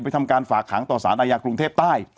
ทำการฝากขังต่อสารอาญากรุงเทพใต้